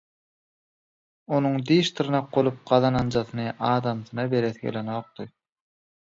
Onuň diş-dyrnak bolup gazananjasyny adamsyna beresi gelenokdy.